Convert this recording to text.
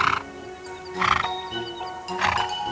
saya sudah punya pesan